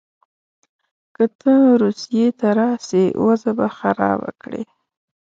که ته روسیې ته راسې وضع به خرابه کړې.